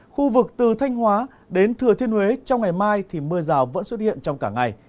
khu vực từ thanh hóa đến thừa thiên huế trong ngày mai thì mưa rào vẫn xuất hiện trong cả ngày